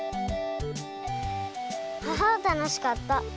あたのしかった！